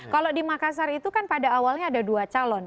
kalau di makassar itu kan pada awalnya ada dua calon